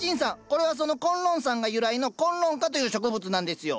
これはその崑崙山が由来の崑崙花という植物なんですよ。